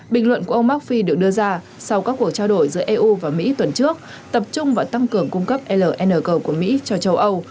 bình luận của ông macfi được đưa ra sau các cuộc trao đổi giữa eu và mỹ tuần trước tập trung vào tăng cường cung cấp lng của mỹ cho châu âu